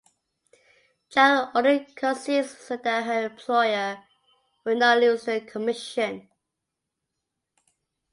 Jan only concedes so that her employer will not lose the commission.